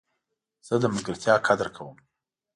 زه د ملګرتیا قدر کوم.